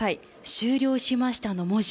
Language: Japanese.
終了しましたの文字。